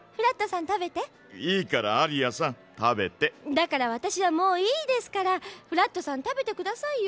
だからわたしはもういいですからフラットさん食べてくださいよ。